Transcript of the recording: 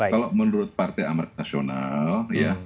kalau menurut partai amerika nasional ya